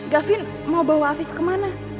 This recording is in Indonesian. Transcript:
gavin mau bawa afif kemana